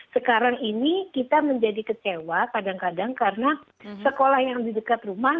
sekarang ini kita menjadi kecewa kadang kadang karena sekolah yang di dekat rumah